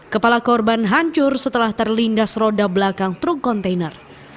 kepala korban hancur setelah terlindas roda belakang truk kontainer